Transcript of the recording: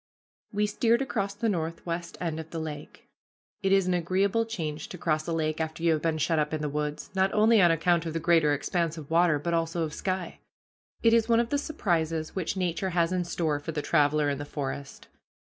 We steered across the northwest end of the lake. It is an agreeable change to cross a lake after you have been shut up in the woods, not only on account of the greater expanse of water, but also of sky. It is one of the surprises which Nature has in store for the traveler in the forest.